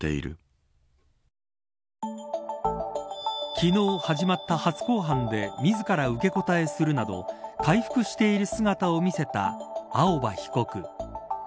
昨日始まった初公判で自ら受け答えするなど回復している姿を見せた青葉被告。